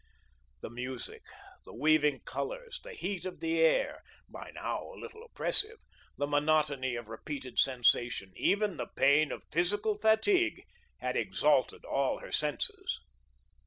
The music, the weaving colours, the heat of the air, by now a little oppressive, the monotony of repeated sensation, even the pain of physical fatigue had exalted all her senses.